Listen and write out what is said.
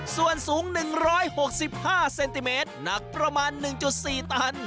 สูงหนึ่งร้อยหกสิบห้าเซนติเมตรหนักประมาณหนึ่งจุดสี่ตัน